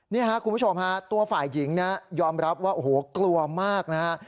นี่ครับคุณผู้ชมฮะตัวฝ่ายหญิงยอมรับว่าโอ้โหกลัวมากนะฮะ